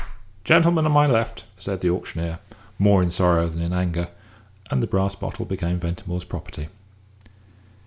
Gentleman on my left," said the auctioneer, more in sorrow than in anger and the brass bottle became Ventimore's property.